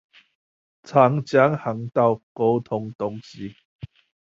長江航道溝通東西